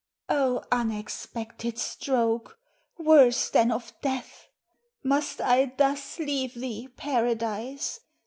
O unexpected stroke, worse than of death! Must I thus leave thee, Paradise?